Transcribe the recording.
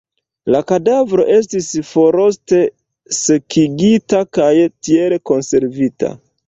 La kadavro estis frost-sekigita kaj tiel konservita.